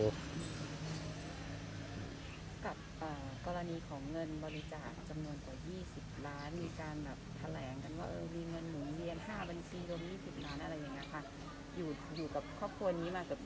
กับกรณีของเงินบริจาคจำนวนกว่า๒๐ล้าน